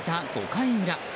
５回裏。